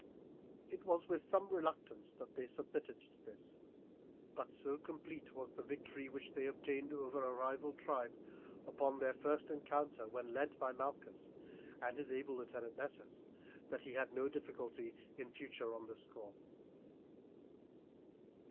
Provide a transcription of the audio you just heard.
It was with some reluctance that they submitted to this; but so complete was the victory which they obtained over a rival tribe, upon their first encounter when led by Malchus and his able lieutenant Nessus, that he had no difficulty in future on this score.